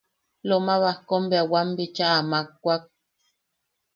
Loma Bajkom bea wam bicha amakwak;.